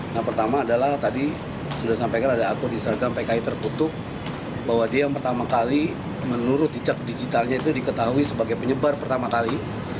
yang pertama adalah tadi sudah disampaikan ada akun instagram pki tertutup bahwa dia yang pertama kali menurut jejak digitalnya itu diketahui sebagai penyebar pertama kali